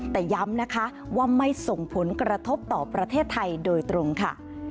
แต่ย้ำนะคะว่าไม่ส่งผลกระทบต่อประเทศไทยโดยตรงค่ะ